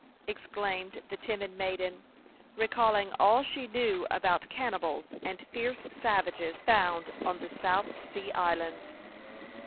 exclaimed the timid maiden, recalling all she knew about cannibals and fierce savages found on the South Sea Islands.